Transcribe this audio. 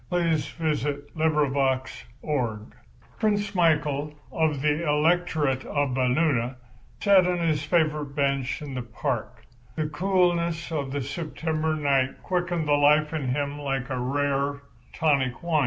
THE CALIPH, CUPID AND THE CLOCK Prince Michael, of the Electorate of Valleluna, sat on his favourite bench in the park. The coolness of the September night quickened the life in him like a rare, tonic wine.